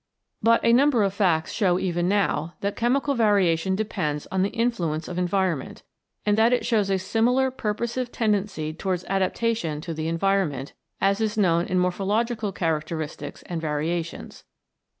But a number of facts show even now that chemical variation depends on the influence of environment, and that it shows a similar purposive tendency towards adaptation to the environment, as is known in 140 CHEMICAL ADAPTATION morphological characteristics and variations.